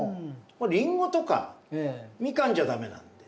「りんご」とか「みかん」じゃ駄目なので。